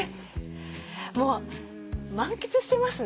満喫してますね。